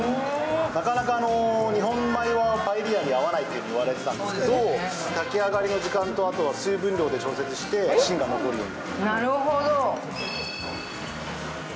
なかなか日本米はパエリアに合わないと言われていたんですけれども、炊き上がりの時間と水分量で調整して芯が残るように。